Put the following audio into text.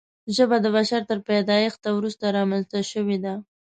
ژبه د بشر تر پیدایښت وروسته رامنځته شوې ده.